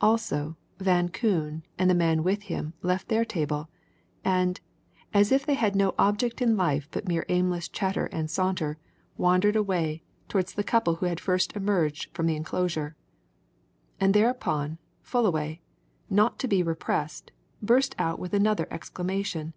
Also, Van Koon and the man with him left their table, and, as if they had no object in life but mere aimless chatter and saunter, wandered away towards the couple who had first emerged from the enclosure. And thereupon, Fullaway, not to be repressed, burst out with another exclamation.